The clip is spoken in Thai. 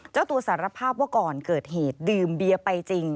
เจ้าตัวสารภาพว่าก่อนเกิดเหตุดื่มเบียร์ไปจริง